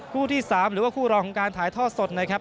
คู่ที่๓หรือว่าคู่รองของการถ่ายทอดสดนะครับ